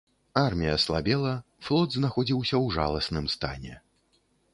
Армія слабела, флот знаходзіўся ў жаласным стане.